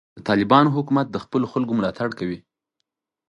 د طالبانو حکومت د خپلو خلکو ملاتړ غواړي.